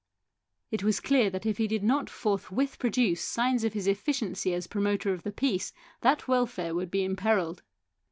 It was clear that if he did not forthwith produce signs of his efficiency as a promoter of the peace that welfare would be imperilled.